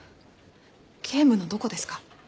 警務のどこですか？